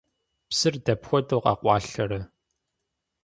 Псыр дапхуэдэу къэкъуалъэрэ?